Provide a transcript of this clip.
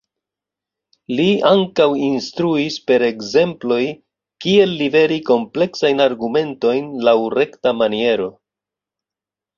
Li ankaŭ instruis per ekzemploj kiel liveri kompleksajn argumentojn laŭ rekta maniero.